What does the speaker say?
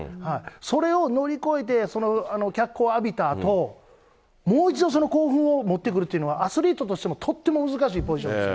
それを乗り越えて、その脚光を浴びたあと、もう一度その興奮を持ってくるっていうのは、アスリートとしてもとっても難しいポジショニングです。